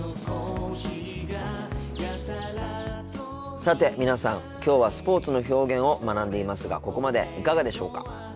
さて皆さんきょうはスポーツの表現を学んでいますがここまでいかがでしょうか。